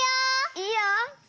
いいよ！